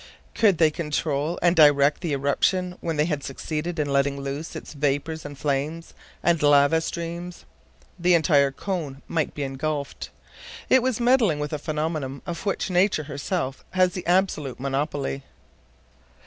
Could they control and direct the eruption when they had succeeded in letting loose its vapor and flames, and lava streams? The entire cone might be engulfed. It was meddling with phenomena of which nature herself has the absolute monopoly.